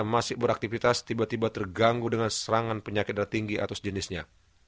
jika penyakit beraktifitas tiba tiba terganggu dengan serangan penyakit yang tinggi atau sejenisnya